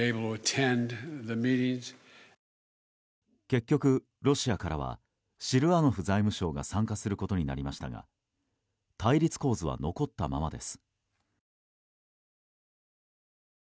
結局、ロシアからはシルアノフ財務相が参加することになりましたが対立構図は残ったままです。